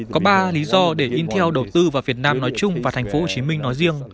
có ba lý do để intel đầu tư vào việt nam nói chung và tp hcm nói riêng